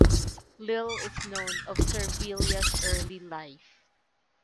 Little is known of Servilia's early life.